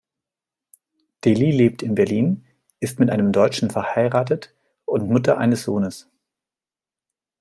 De Lisle lebt in Berlin, ist mit einem Deutschen verheiratet und Mutter eines Sohnes.